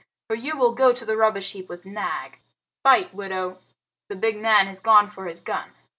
For you will go to the rubbish heap with Nag. Fight, widow! The big man has gone for his gun!